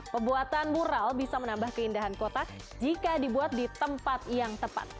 pembuatan mural bisa menambah keindahan kota jika dibuat di tempat yang tepat